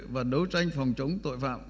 và đấu tranh phòng chống tội phạm